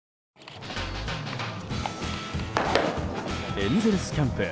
エンゼルスキャンプ。